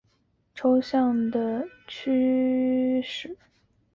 阿诺德直言不讳地批评了上个世纪中叶数学高度抽象化的趋势。